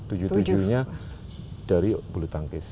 tujuh tujuhnya dari bulu tangkis